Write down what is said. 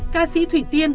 ca sĩ thủy tiên